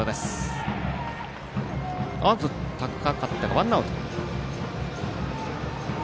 ワンアウト。